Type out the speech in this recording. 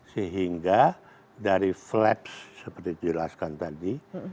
sehingga dari flat seperti dijelaskan tadi